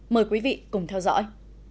mời quý vị cùng theo dõi